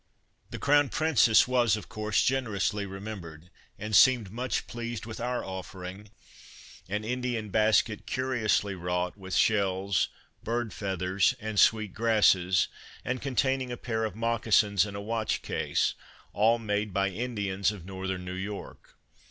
The Crown Princess was, of course, generously remembered, and seemed much pleased with our offering, an Indian basket curiously wrought with shells, bird feathers and sweet grasses and con taining a pair of moccasins and a watch case, all made by Indians of Northern New York.